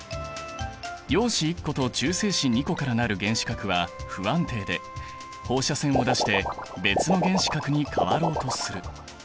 陽子１個と中性子２個から成る原子核は不安定で放射線を出して別の原子核に変わろうとする。